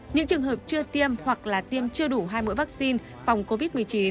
những trường hợp chưa tiêm hoặc là tiêm chưa đủ hai mũi vaccine phòng covid một mươi chín